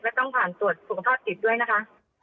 และต้องผ่านตรวจสุขภาพจิตด้วยนะคะ